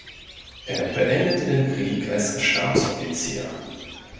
Er beendete den Krieg als Stabsoffizier.